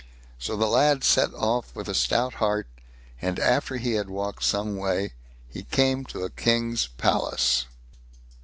So the lad set off with a stout heart, and after he had walked some way, he came to a king's palace.